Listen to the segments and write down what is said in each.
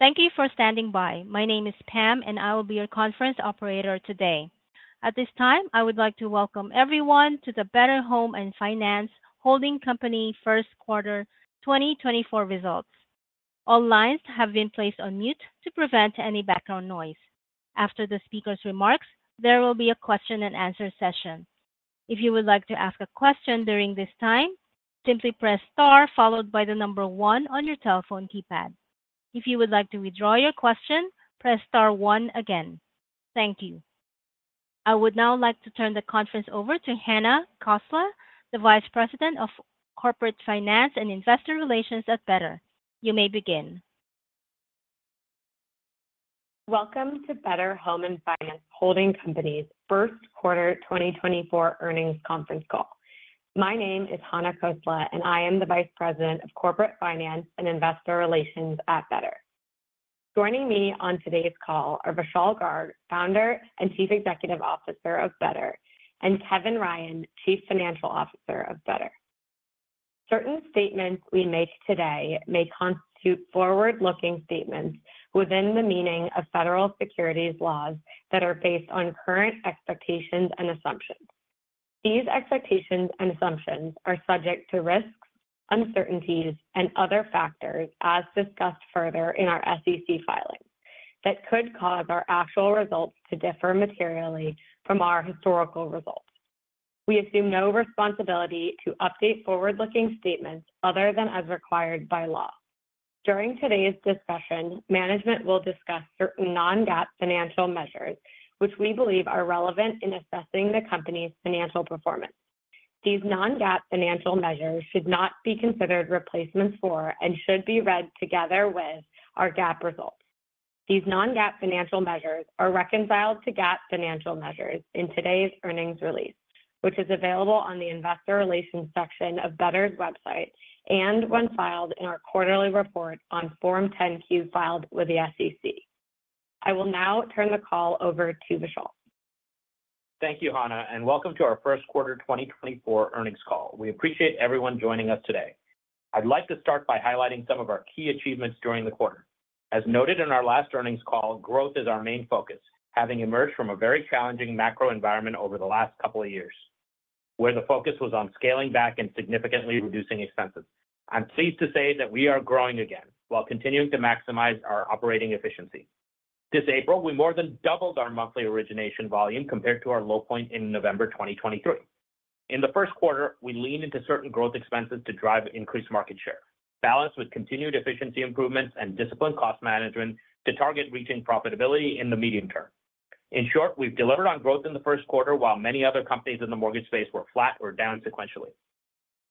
Thank you for standing by. My name is Pam, and I will be your conference operator today. At this time, I would like to welcome everyone to the Better Home & Finance Holding Company first quarter 2024 results. All lines have been placed on mute to prevent any background noise. After the speaker's remarks, there will be a question-and-answer session. If you would like to ask a question during this time, simply press star followed by the number one on your telephone keypad. If you would like to withdraw your question, press star one again. Thank you. I would now like to turn the conference over to Hana Khosla, the Vice President of Corporate Finance and Investor Relations at Better. You may begin. Welcome to Better Home & Finance Holding Company's first quarter 2024 earnings conference call. My name is Hana Khosla, and I am the Vice President of Corporate Finance and Investor Relations at Better. Joining me on today's call are Vishal Garg, Founder and Chief Executive Officer of Better, and Kevin Ryan, Chief Financial Officer of Better. Certain statements we make today may constitute forward-looking statements within the meaning of federal securities laws that are based on current expectations and assumptions. These expectations and assumptions are subject to risks, uncertainties, and other factors, as discussed further in our SEC filing, that could cause our actual results to differ materially from our historical results. We assume no responsibility to update forward-looking statements other than as required by law. During today's discussion, management will discuss certain non-GAAP financial measures, which we believe are relevant in assessing the company's financial performance. These non-GAAP financial measures should not be considered replacements for and should be read together with our GAAP results. These non-GAAP financial measures are reconciled to GAAP financial measures in today's earnings release, which is available on the Investor Relations section of Better's website and when filed in our quarterly report on Form 10-Q filed with the SEC. I will now turn the call over to Vishal. Thank you, Hana, and welcome to our first quarter 2024 earnings call. We appreciate everyone joining us today. I'd like to start by highlighting some of our key achievements during the quarter. As noted in our last earnings call, growth is our main focus, having emerged from a very challenging macro environment over the last couple of years, where the focus was on scaling back and significantly reducing expenses. I'm pleased to say that we are growing again while continuing to maximize our operating efficiency. This April, we more than doubled our monthly origination volume compared to our low point in November 2023. In the first quarter, we leaned into certain growth expenses to drive increased market share, balanced with continued efficiency improvements and disciplined cost management to target reaching profitability in the medium term. In short, we've delivered on growth in the first quarter while many other companies in the mortgage space were flat or down sequentially.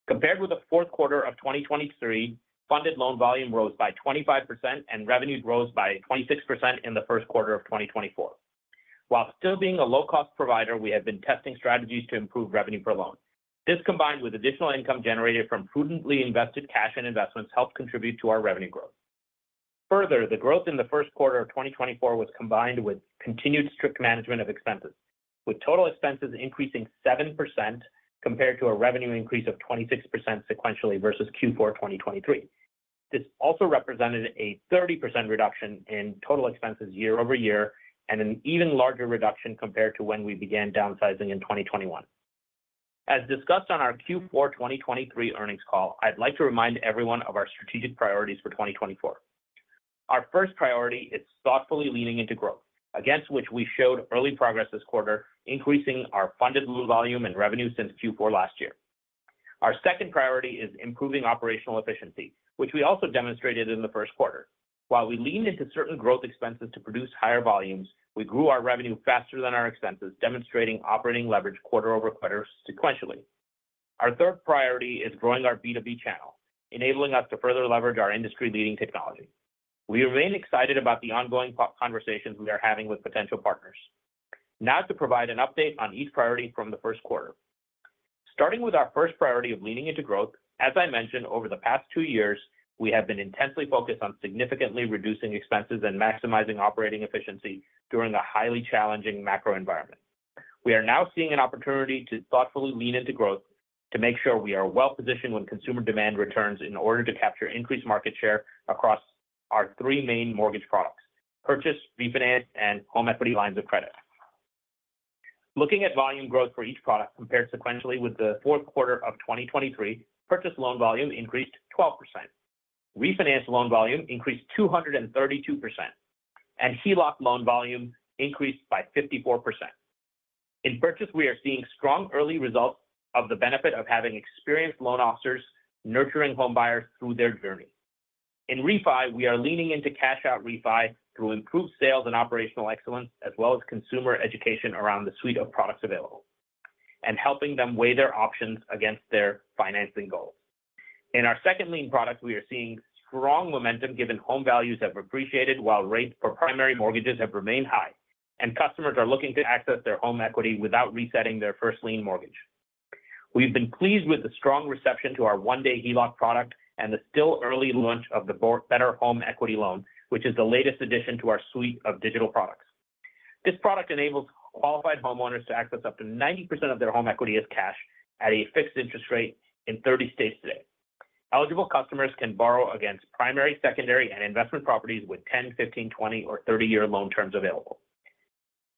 Compared with the fourth quarter of 2023, funded loan volume rose by 25% and revenue grew by 26% in the first quarter of 2024. While still being a low-cost provider, we have been testing strategies to improve revenue per loan. This combined with additional income generated from prudently invested cash and investments helped contribute to our revenue growth. Further, the growth in the first quarter of 2024 was combined with continued strict management of expenses, with total expenses increasing 7% compared to a revenue increase of 26% sequentially versus Q4 2023. This also represented a 30% reduction in total expenses year-over-year and an even larger reduction compared to when we began downsizing in 2021. As discussed on our Q4 2023 earnings call, I'd like to remind everyone of our strategic priorities for 2024. Our first priority is thoughtfully leaning into growth, against which we showed early progress this quarter, increasing our funded loan volume and revenue since Q4 last year. Our second priority is improving operational efficiency, which we also demonstrated in the first quarter. While we leaned into certain growth expenses to produce higher volumes, we grew our revenue faster than our expenses, demonstrating operating leverage quarter over quarter sequentially. Our third priority is growing our B2B channel, enabling us to further leverage our industry-leading technology. We remain excited about the ongoing conversations we are having with potential partners. Now to provide an update on each priority from the first quarter. Starting with our first priority of leaning into growth, as I mentioned, over the past two years, we have been intensely focused on significantly reducing expenses and maximizing operating efficiency during a highly challenging macro environment. We are now seeing an opportunity to thoughtfully lean into growth to make sure we are well-positioned when consumer demand returns in order to capture increased market share across our three main mortgage products: purchase, refinance, and home equity lines of credit. Looking at volume growth for each product compared sequentially with the fourth quarter of 2023, purchase loan volume increased 12%, refinance loan volume increased 232%, and HELOC loan volume increased by 54%. In purchase, we are seeing strong early results of the benefit of having experienced loan officers nurturing homebuyers through their journey. In refi, we are leaning into cash-out refi through improved sales and operational excellence, as well as consumer education around the suite of products available, and helping them weigh their options against their financing goals. In our second lien product, we are seeing strong momentum given home values have appreciated while rates for primary mortgages have remained high, and customers are looking to access their home equity without resetting their first lien mortgage. We've been pleased with the strong reception to our One Day HELOC product and the still early launch of the Better Home Equity Loan, which is the latest addition to our suite of digital products. This product enables qualified homeowners to access up to 90% of their home equity as cash at a fixed interest rate in 30 states today. Eligible customers can borrow against primary, secondary, and investment properties with 10-year, 15-year, 20-year, or 30-year loan terms available.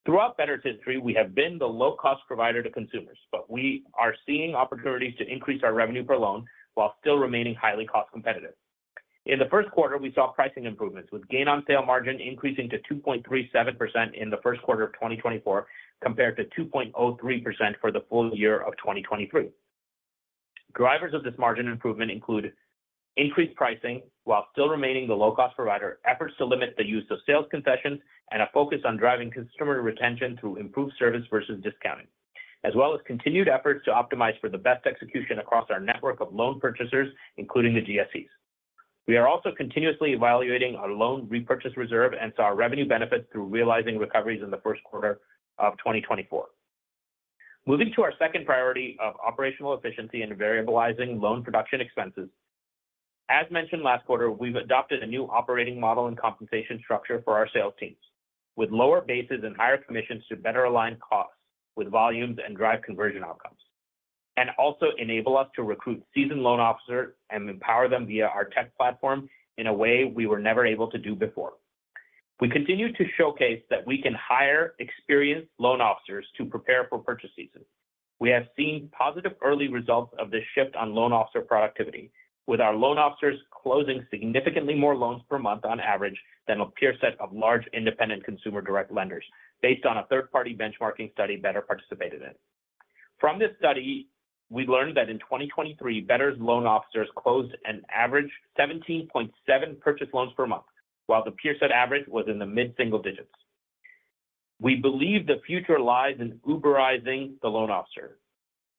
Throughout Better's history, we have been the low-cost provider to consumers, but we are seeing opportunities to increase our revenue per loan while still remaining highly cost-competitive. In the first quarter, we saw pricing improvements, with gain-on-sale margin increasing to 2.37% in the first quarter of 2024 compared to 2.03% for the full year of 2023. Drivers of this margin improvement include increased pricing while still remaining the low-cost provider, efforts to limit the use of sales concessions, and a focus on driving consumer retention through improved service versus discounting, as well as continued efforts to optimize for the best execution across our network of loan purchasers, including the GSEs. We are also continuously evaluating our loan repurchase reserve and saw revenue benefits through realizing recoveries in the first quarter of 2024. Moving to our second priority of operational efficiency and variabilizing loan production expenses. As mentioned last quarter, we've adopted a new operating model and compensation structure for our sales teams, with lower bases and higher commissions to better align costs with volumes and drive conversion outcomes, and also enable us to recruit seasoned loan officers and empower them via our tech platform in a way we were never able to do before. We continue to showcase that we can hire experienced loan officers to prepare for purchase season. We have seen positive early results of this shift on loan officer productivity, with our loan officers closing significantly more loans per month on average than a peer set of large independent consumer direct lenders, based on a third-party benchmarking study Better participated in. From this study, we learned that in 2023, Better's loan officers closed an average of 17.7 purchase loans per month, while the peer set average was in the mid-single digits. We believe the future lies in Uberizing the loan officer,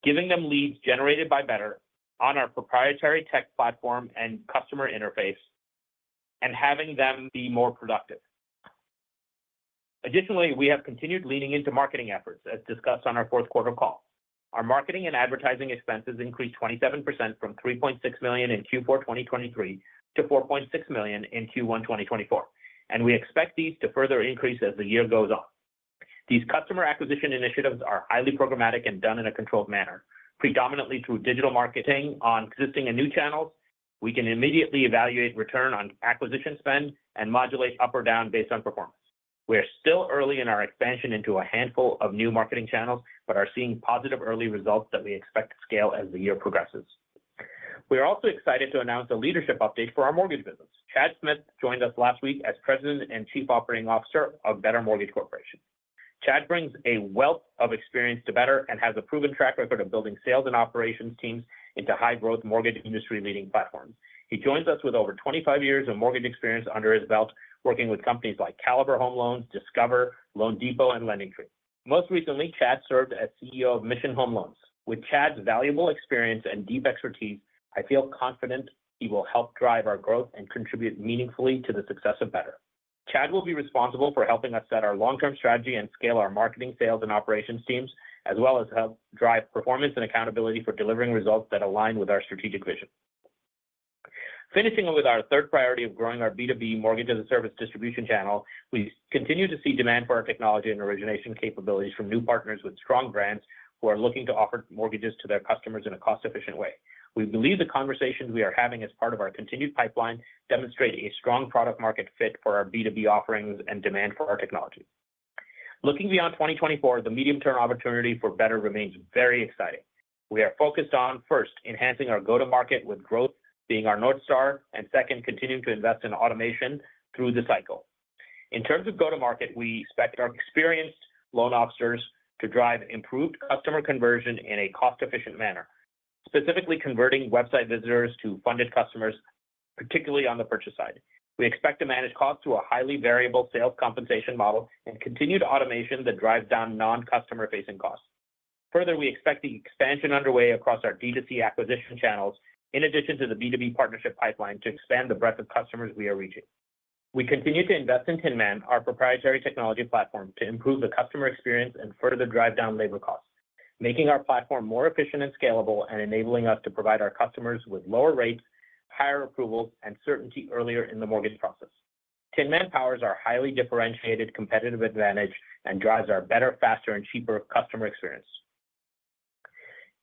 giving them leads generated by Better on our proprietary tech platform and customer interface, and having them be more productive. Additionally, we have continued leaning into marketing efforts, as discussed on our fourth quarter call. Our marketing and advertising expenses increased 27% from $3.6 million in Q4 2023 to $4.6 million in Q1 2024, and we expect these to further increase as the year goes on. These customer acquisition initiatives are highly programmatic and done in a controlled manner, predominantly through digital marketing on existing and new channels. We can immediately evaluate return on acquisition spend and modulate up or down based on performance. We are still early in our expansion into a handful of new marketing channels but are seeing positive early results that we expect to scale as the year progresses. We are also excited to announce a leadership update for our mortgage business. Chad Smith joined us last week as President and Chief Operating Officer of Better Mortgage Corporation. Chad brings a wealth of experience to Better and has a proven track record of building sales and operations teams into high-growth mortgage industry-leading platforms. He joins us with over 25 years of mortgage experience under his belt, working with companies like Caliber Home Loans, Discover, loanDepot, and LendingTree. Most recently, Chad served as CEO of Mission Home Loans. With Chad's valuable experience and deep expertise, I feel confident he will help drive our growth and contribute meaningfully to the success of Better. Chad will be responsible for helping us set our long-term strategy and scale our marketing, sales, and operations teams, as well as help drive performance and accountability for delivering results that align with our strategic vision. Finishing with our third priority of growing our B2B mortgage as a service distribution channel, we continue to see demand for our technology and origination capabilities from new partners with strong brands who are looking to offer mortgages to their customers in a cost-efficient way. We believe the conversations we are having as part of our continued pipeline demonstrate a strong product-market fit for our B2B offerings and demand for our technology. Looking beyond 2024, the medium-term opportunity for Better remains very exciting. We are focused on, first, enhancing our go-to-market with growth being our north star, and second, continuing to invest in automation through the cycle. In terms of go-to-market, we expect our experienced loan officers to drive improved customer conversion in a cost-efficient manner, specifically converting website visitors to funded customers, particularly on the purchase side. We expect to manage costs through a highly variable sales compensation model and continued automation that drives down non-customer-facing costs. Further, we expect the expansion underway across our D2C acquisition channels, in addition to the B2B partnership pipeline, to expand the breadth of customers we are reaching. We continue to invest in Tinman, our proprietary technology platform, to improve the customer experience and further drive down labor costs, making our platform more efficient and scalable and enabling us to provide our customers with lower rates, higher approvals, and certainty earlier in the mortgage process. Tinman powers our highly differentiated competitive advantage and drives our better, faster, and cheaper customer experience.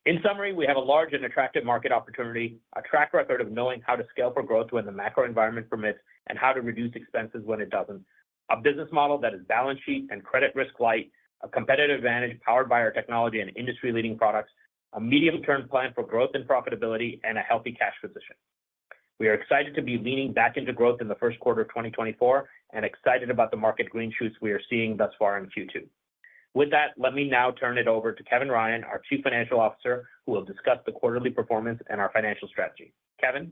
In summary, we have a large and attractive market opportunity, a track record of knowing how to scale for growth when the macro environment permits, and how to reduce expenses when it doesn't, a business model that is balance sheet and credit risk light, a competitive advantage powered by our technology and industry-leading products, a medium-term plan for growth and profitability, and a healthy cash position. We are excited to be leaning back into growth in the first quarter of 2024 and excited about the market green shoots we are seeing thus far in Q2. With that, let me now turn it over to Kevin Ryan, our Chief Financial Officer, who will discuss the quarterly performance and our financial strategy. Kevin.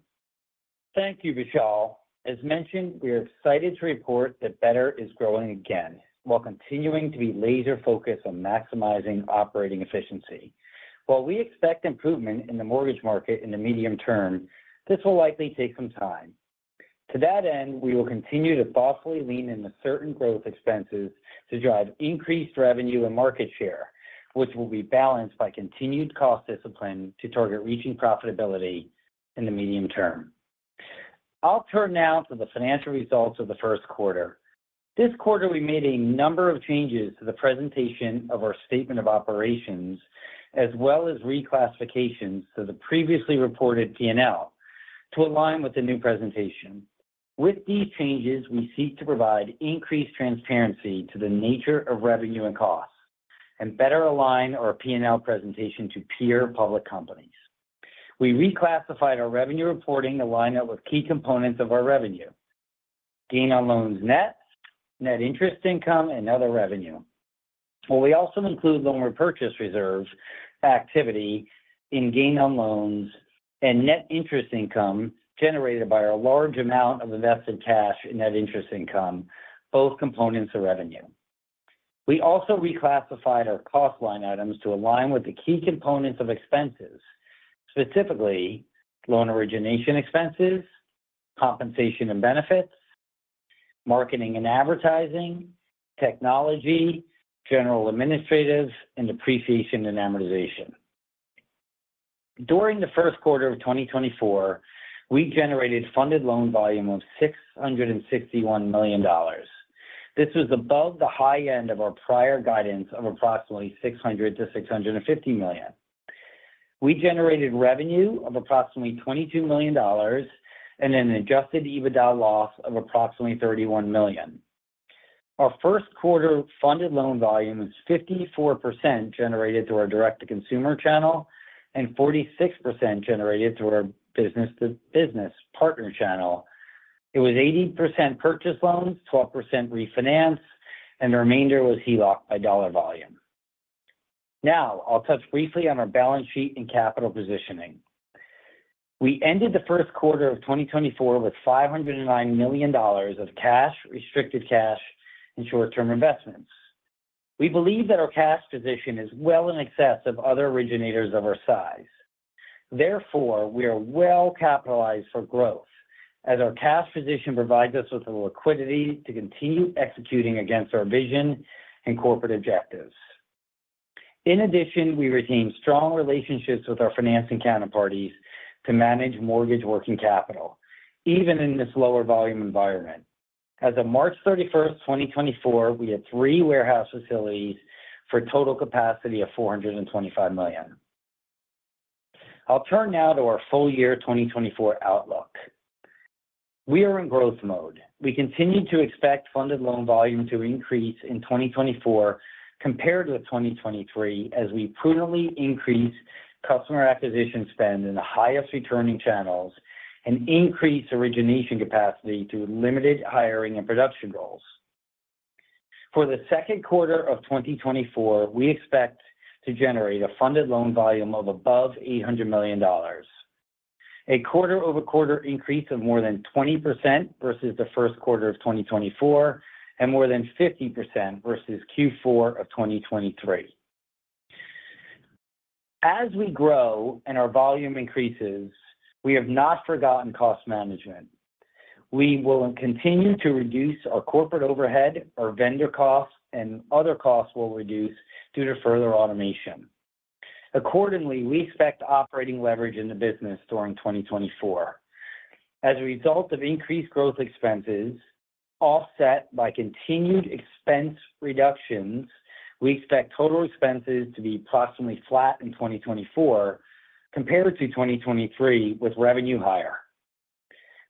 Thank you, Vishal. As mentioned, we are excited to report that Better is growing again while continuing to be laser-focused on maximizing operating efficiency. While we expect improvement in the mortgage market in the medium term, this will likely take some time. To that end, we will continue to thoughtfully lean into certain growth expenses to drive increased revenue and market share, which will be balanced by continued cost discipline to target reaching profitability in the medium term. I'll turn now to the financial results of the first quarter. This quarter, we made a number of changes to the presentation of our statement of operations, as well as reclassifications to the previously reported P&L to align with the new presentation. With these changes, we seek to provide increased transparency to the nature of revenue and costs and better align our P&L presentation to peer public companies. We reclassified our revenue reporting to line up with key components of our revenue: gain on loans net, net interest income, and other revenue. Well, we also include loan repurchase reserve activity in gain on loans and net interest income generated by our large amount of invested cash and net interest income, both components of revenue. We also reclassified our cost line items to align with the key components of expenses, specifically loan origination expenses, compensation and benefits, marketing and advertising, technology, general and administrative, and depreciation and amortization. During the first quarter of 2024, we generated funded loan volume of $661 million. This was above the high end of our prior guidance of approximately $600 million-$650 million. We generated revenue of approximately $22 million and an adjusted EBITDA loss of approximately $31 million. Our first quarter funded loan volume was 54% generated through our direct-to-consumer channel and 46% generated through our business-to-business partner channel. It was 80% purchase loans, 12% refinance, and the remainder was HELOC by dollar volume. Now, I'll touch briefly on our balance sheet and capital positioning. We ended the first quarter of 2024 with $509 million of cash, restricted cash, and short-term investments. We believe that our cash position is well in excess of other originators of our size. Therefore, we are well-capitalized for growth, as our cash position provides us with the liquidity to continue executing against our vision and corporate objectives. In addition, we retain strong relationships with our financing counterparties to manage mortgage working capital, even in this lower volume environment. As of March 31st, 2024, we had three warehouse facilities for a total capacity of $425 million. I'll turn now to our full-year 2024 outlook. We are in growth mode. We continue to expect funded loan volume to increase in 2024 compared with 2023 as we prudently increase customer acquisition spend in the highest returning channels and increase origination capacity through limited hiring and production roles. For the second quarter of 2024, we expect to generate a funded loan volume of above $800 million, a quarter-over-quarter increase of more than 20% versus the first quarter of 2024, and more than 50% versus Q4 of 2023. As we grow and our volume increases, we have not forgotten cost management. We will continue to reduce our corporate overhead, our vendor costs, and other costs will reduce due to further automation. Accordingly, we expect operating leverage in the business during 2024. As a result of increased growth expenses offset by continued expense reductions, we expect total expenses to be approximately flat in 2024 compared to 2023 with revenue higher.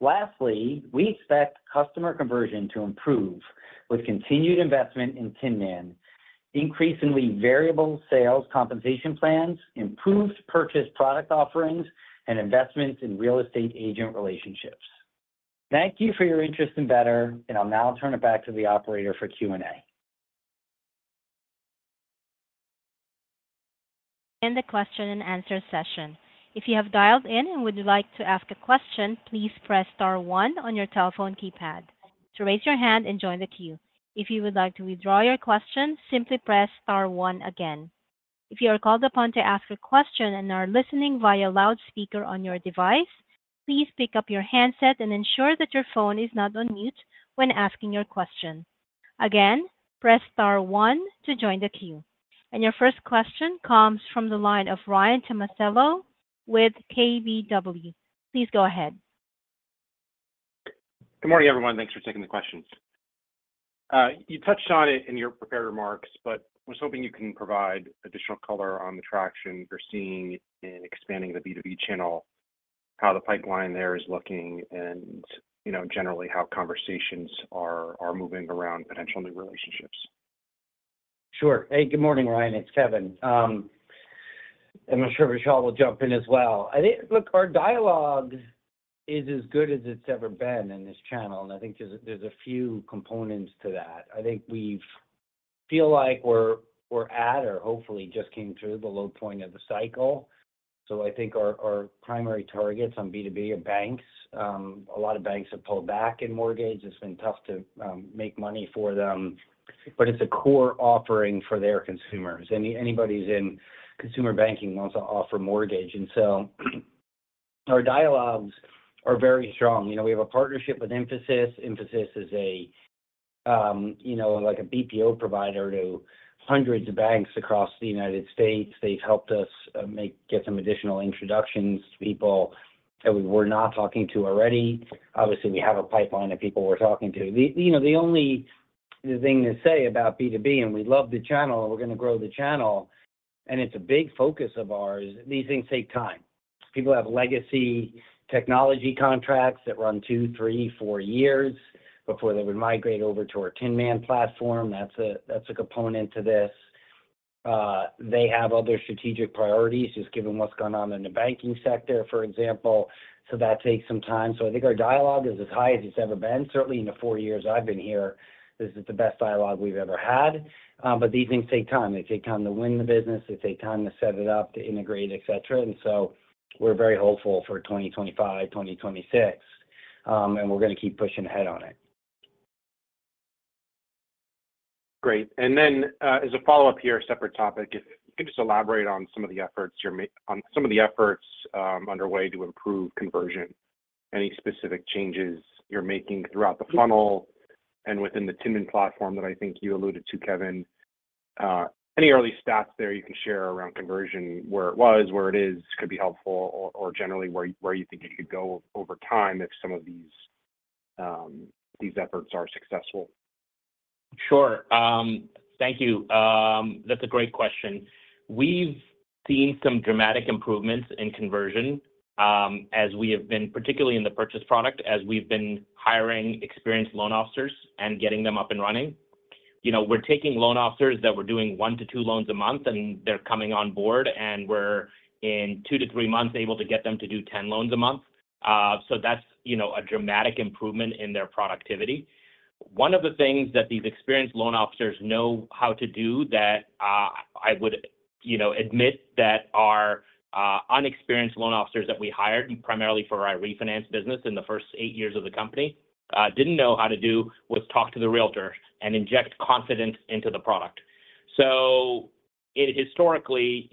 Lastly, we expect customer conversion to improve with continued investment in Tinman, increasingly variable sales compensation plans, improved purchase product offerings, and investments in real estate agent relationships. Thank you for your interest in Better, and I'll now turn it back to the operator for Q&A. In the question-and-answer session, if you have dialed in and would like to ask a question, please press star one on your telephone keypad to raise your hand and join the queue. If you would like to withdraw your question, simply press star one again. If you are called upon to ask a question and are listening via loudspeaker on your device, please pick up your handset and ensure that your phone is not on mute when asking your question. Again, press star one to join the queue. Your first question comes from the line of Ryan Tomasello with KBW. Please go ahead. Good morning, everyone. Thanks for taking the questions. You touched on it in your prepared remarks, but I was hoping you can provide additional color on the traction you're seeing in expanding the B2B channel, how the pipeline there is looking, and generally how conversations are moving around potential new relationships. Sure. Hey, good morning, Ryan. It's Kevin. I'm sure Vishal will jump in as well. Look, our dialogue is as good as it's ever been in this channel, and I think there's a few components to that. I think we feel like we're at or hopefully just came through the low point of the cycle. So I think our primary targets on B2B are banks. A lot of banks have pulled back in mortgages. It's been tough to make money for them, but it's a core offering for their consumers. Anybody who's in consumer banking wants to offer mortgage. And so our dialogues are very strong. We have a partnership with Mphasis. Mphasis is like a BPO provider to hundreds of banks across the United States. They've helped us get some additional introductions to people that we were not talking to already. Obviously, we have a pipeline of people we're talking to. The only thing to say about B2B, and we love the channel and we're going to grow the channel, and it's a big focus of ours; these things take time. People have legacy technology contracts that run two, three, four years before they would migrate over to our Tinman platform. That's a component to this. They have other strategic priorities, just given what's gone on in the banking sector, for example. So that takes some time. So I think our dialogue is as high as it's ever been. Certainly, in the four years I've been here, this is the best dialogue we've ever had. But these things take time. They take time to win the business. They take time to set it up, to integrate, etc. We're very hopeful for 2025, 2026, and we're going to keep pushing ahead on it. Great. And then as a follow-up here, a separate topic, if you could just elaborate on some of the efforts underway to improve conversion, any specific changes you're making throughout the funnel and within the Tinman platform that I think you alluded to, Kevin. Any early stats there you can share around conversion, where it was, where it is, could be helpful, or generally where you think it could go over time if some of these efforts are successful. Sure. Thank you. That's a great question. We've seen some dramatic improvements in conversion as we have been particularly in the purchase product as we've been hiring experienced loan officers and getting them up and running. We're taking loan officers that were doing one to two loans a month, and they're coming on board, and we're in two months to three months able to get them to do 10 loans a month. So that's a dramatic improvement in their productivity. One of the things that these experienced loan officers know how to do that I would admit that our inexperienced loan officers that we hired primarily for our refinance business in the first eight years of the company didn't know how to do was talk to the realtor and inject confidence into the product. Historically,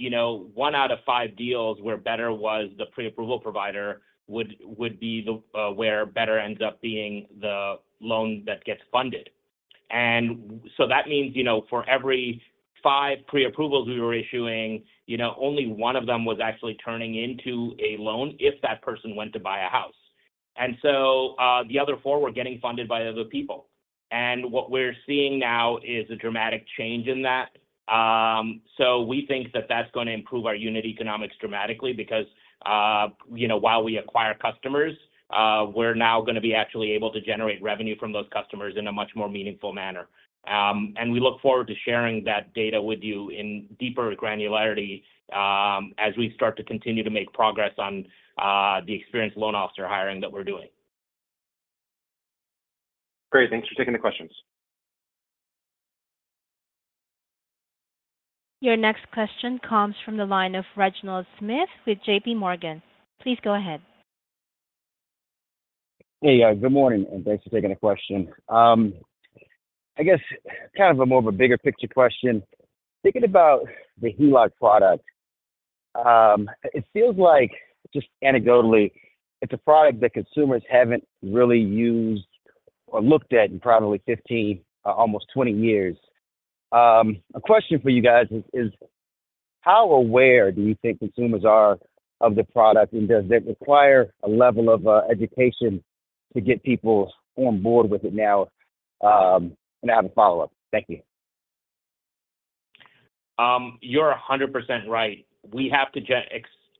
one out of five deals where Better was the pre-approval provider would be where Better ends up being the loan that gets funded. And so that means for every five pre-approvals we were issuing, only one of them was actually turning into a loan if that person went to buy a house. And so the other four were getting funded by other people. And what we're seeing now is a dramatic change in that. So we think that that's going to improve our unit economics dramatically because while we acquire customers, we're now going to be actually able to generate revenue from those customers in a much more meaningful manner. And we look forward to sharing that data with you in deeper granularity as we start to continue to make progress on the experienced loan officer hiring that we're doing. Great. Thanks for taking the questions. Your next question comes from the line of Reginald Smith with JPMorgan. Please go ahead. Hey, yeah. Good morning, and thanks for taking the question. I guess kind of a more of a bigger picture question. Thinking about the HELOC product, it feels like, just anecdotally, it's a product that consumers haven't really used or looked at in probably 15 years, almost 20 years. A question for you guys is, how aware do you think consumers are of the product, and does it require a level of education to get people on board with it now? And I have a follow-up. Thank you. You're 100% right. We have to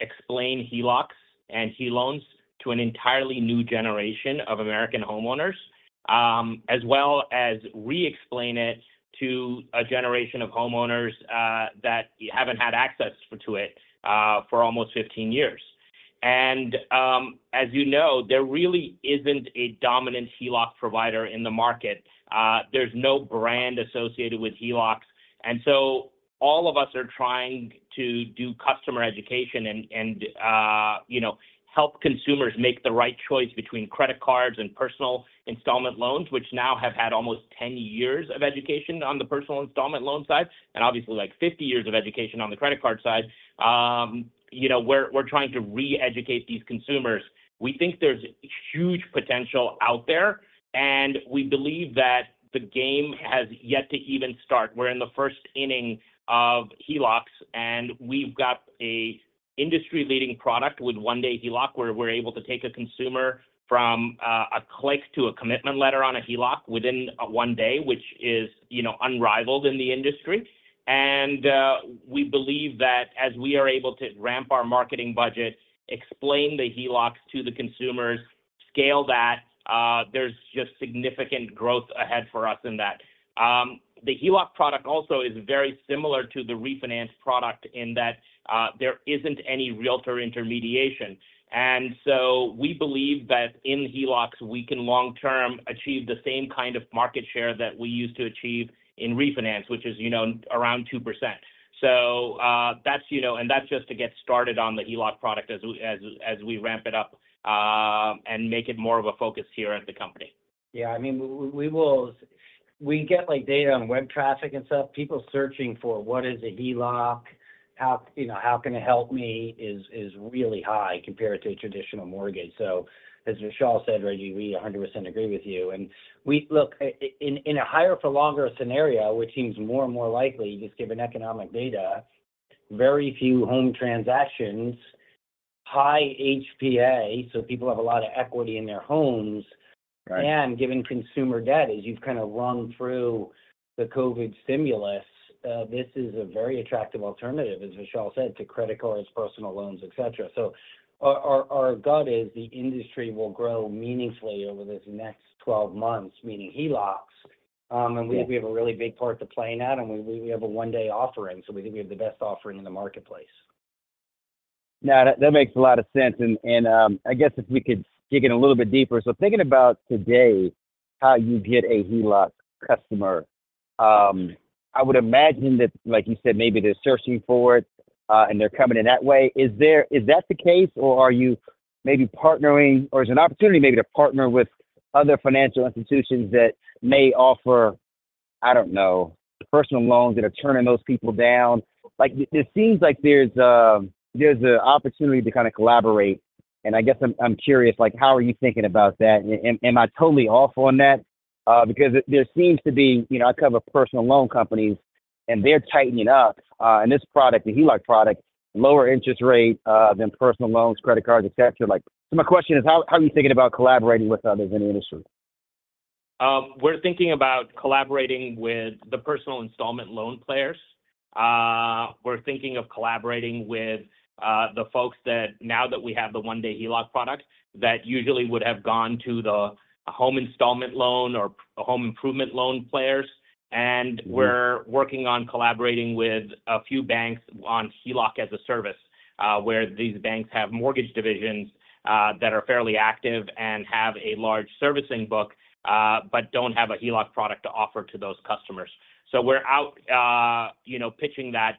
explain HELOCs and HELOANs to an entirely new generation of American homeowners, as well as re-explain it to a generation of homeowners that haven't had access to it for almost 15 years. And as you know, there really isn't a dominant HELOC provider in the market. There's no brand associated with HELOCs. And so all of us are trying to do customer education and help consumers make the right choice between credit cards and personal installment loans, which now have had almost 10 years of education on the personal installment loan side and obviously 50 years of education on the credit card side. We're trying to re-educate these consumers. We think there's huge potential out there, and we believe that the game has yet to even start. We're in the first inning of HELOCs, and we've got an industry-leading product with one-day HELOC where we're able to take a consumer from a click to a commitment letter on a HELOC within one day, which is unrivaled in the industry. We believe that as we are able to ramp our marketing budget, explain the HELOCs to the consumers, scale that, there's just significant growth ahead for us in that. The HELOC product also is very similar to the refinance product in that there isn't any realtor intermediation. So we believe that in HELOCs, we can long-term achieve the same kind of market share that we used to achieve in refinance, which is around 2%. That's just to get started on the HELOC product as we ramp it up and make it more of a focus here at the company. Yeah. I mean, we get data on web traffic and stuff. People searching for what is a HELOC, how can it help me, is really high compared to traditional mortgage. So as Vishal said, Reggie, we 100% agree with you. And look, in a higher-for-longer scenario, which seems more and more likely, just given economic data, very few home transactions, high HPA, so people have a lot of equity in their homes, and given consumer debt, as you've kind of run through the COVID stimulus, this is a very attractive alternative, as Vishal said, to credit cards, personal loans, etc. So our gut is the industry will grow meaningfully over this next 12 months, meaning HELOCs. And we have a really big part to play in that, and we have a one-day offering, so we think we have the best offering in the marketplace. Now, that makes a lot of sense. And I guess if we could dig in a little bit deeper. So thinking about today, how you get a HELOC customer, I would imagine that, like you said, maybe they're searching for it and they're coming in that way. Is that the case, or are you maybe partnering, or is there an opportunity maybe to partner with other financial institutions that may offer, I don't know, personal loans that are turning those people down? It seems like there's an opportunity to kind of collaborate. And I guess I'm curious, how are you thinking about that? Am I totally off on that? Because there seems to be, I cover personal loan companies, and they're tightening up. And this product, the HELOC product, lower interest rate than personal loans, credit cards, etc. So my question is, how are you thinking about collaborating with others in the industry? We're thinking about collaborating with the personal installment loan players. We're thinking of collaborating with the folks that now that we have the one-day HELOC product, that usually would have gone to the home installment loan or home improvement loan players. We're working on collaborating with a few banks on HELOC as a service where these banks have mortgage divisions that are fairly active and have a large servicing book but don't have a HELOC product to offer to those customers. We're out pitching that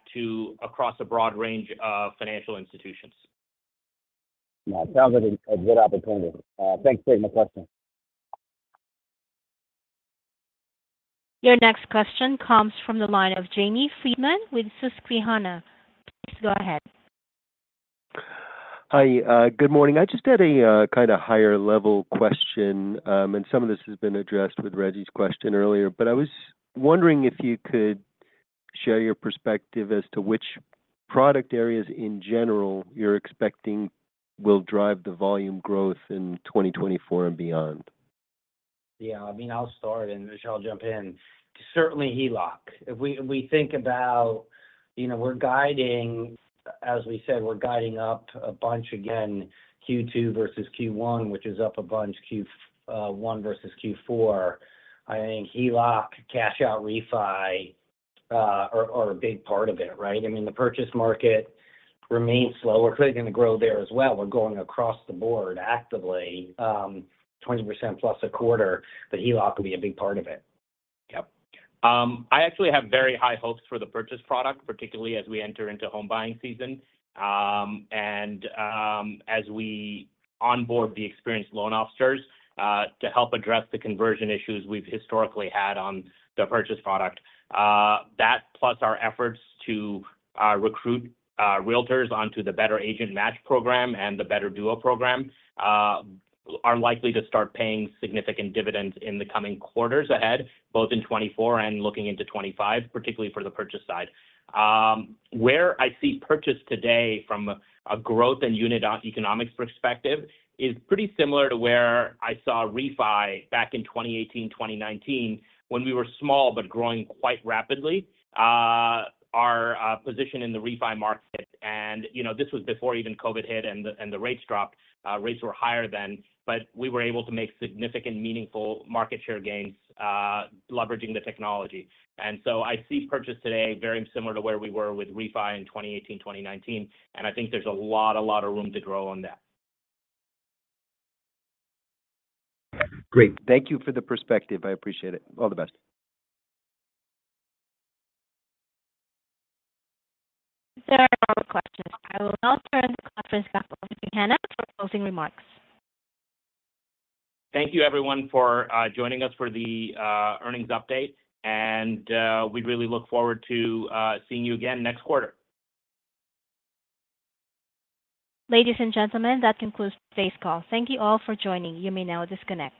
across a broad range of financial institutions. Yeah. Sounds like a good opportunity. Thanks for taking my question. Your next question comes from the line of Jamie Friedman with Susquehanna. Please go ahead. Hi. Good morning. I just had a kind of higher-level question, and some of this has been addressed with Reggie's question earlier. But I was wondering if you could share your perspective as to which product areas, in general, you're expecting will drive the volume growth in 2024 and beyond. Yeah. I mean, I'll start, and Vishal will jump in. Certainly, HELOC. If we think about we're guiding, as we said, we're guiding up a bunch, again, Q2 versus Q1, which is up a bunch, Q1 versus Q4. I think HELOC, cash-out refi, are a big part of it, right? I mean, the purchase market remains slow. We're clearly going to grow there as well. We're going across the board actively, 20%+ a quarter. But HELOC will be a big part of it. Yep. I actually have very high hopes for the purchase product, particularly as we enter into home buying season and as we onboard the experienced loan officers to help address the conversion issues we've historically had on the purchase product. That, plus our efforts to recruit realtors onto the Better Agent Match program and the Better Duo program, are likely to start paying significant dividends in the coming quarters ahead, both in 2024 and looking into 2025, particularly for the purchase side. Where I see purchase today from a growth and unit economics perspective is pretty similar to where I saw refi back in 2018, 2019, when we were small but growing quite rapidly, our position in the refi market. This was before even COVID hit and the rates dropped. Rates were higher then, but we were able to make significant, meaningful market share gains leveraging the technology. And so I see purchase today very similar to where we were with refi in 2018, 2019. And I think there's a lot, a lot of room to grow on that. Great. Thank you for the perspective. I appreciate it. All the best. Those are all the questions. I will now turn the conference back over to Hana for closing remarks. Thank you, everyone, for joining us for the earnings update. We really look forward to seeing you again next quarter. Ladies and gentlemen, that concludes today's call. Thank you all for joining. You may now disconnect.